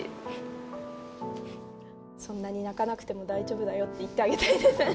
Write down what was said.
「そんなに泣かなくても大丈夫だよ」って言ってあげたいですね。